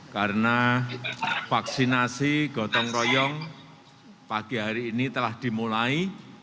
karena vaksinasi gotong royong pagi hari ini telah dimulai